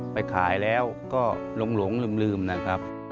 ไปขายแล้วก็หลงลืมนะครับ